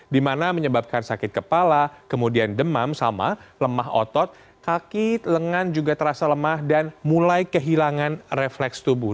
dimana menyebabkan sakit kepala kemudian demam sama lemah otot kaki lengan juga terasa lemah dan mulai kehilangan refleks tubuh